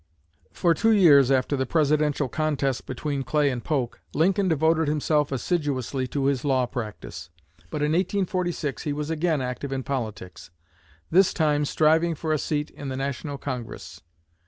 For two years after the Presidential contest between Clay and Polk, Lincoln devoted himself assiduously to his law practice. But in 1846 he was again active in politics, this time striving for a seat in the National Congress.